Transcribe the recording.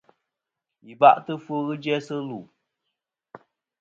Yi ba'tɨ ɨfwo ghɨ jæsɨ lu.